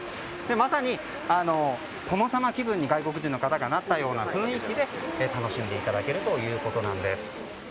まさに、殿様気分に外国人の方がなったような雰囲気を楽しんでいただけるということなんです。